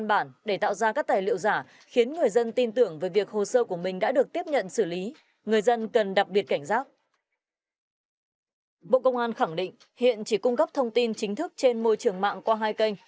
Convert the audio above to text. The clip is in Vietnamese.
bộ công an khẳng định hiện chỉ cung cấp thông tin chính thức trên môi trường mạng qua hai kênh